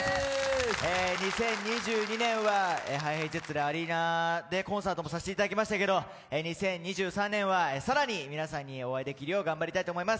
２０２２年は、ＨｉＨｉＪｅｔｓ、アリーナでコンサートもさせていただきましたけれども２０２３年は更に皆さんにお会いできるように頑張りたいと思います。